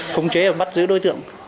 không chế và bắt giữ đối tượng